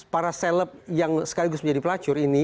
para seleb yang sekaligus menjadi pelacur ini